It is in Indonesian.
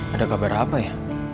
ada kabar apa ya